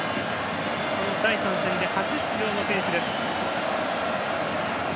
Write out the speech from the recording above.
第３戦で初出場の選手です。